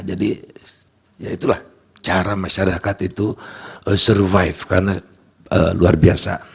jadi ya itulah cara masyarakat itu survive karena luar biasa